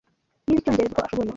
Yize icyongereza uko ashoboye.